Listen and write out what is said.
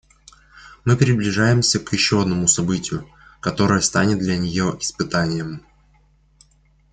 Мы приближаемся к еще одному событию, которое станет для нее испытанием.